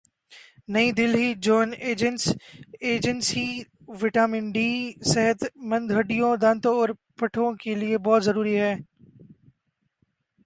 نئی Delhi June agency vitamin D صحت مند ہڈیوں دانتوں اور پٹھوں کے لئے بہت ضروری ہے